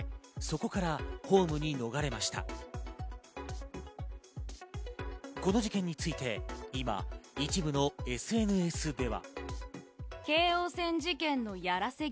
この事件について、今一部のＳＮＳでは。